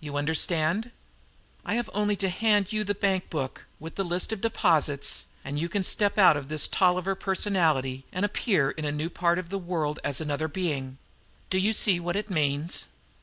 You understand? I have only to hand you the bank book with the list of deposits, and you can step out of this Tolliver personality and appear in a new part of the world as another being. Do you see what it means?